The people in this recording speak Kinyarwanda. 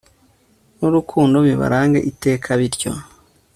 n'urukundo bibarange iteka, bityo